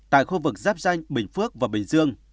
tại khu vực giáp danh bình phước và bình dương